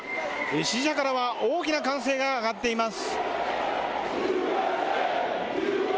支持者からは大きな歓声が上がっています。